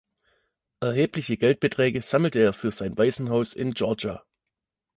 Erhebliche Geldbeträge sammelte er für sein Waisenhaus in Georgia.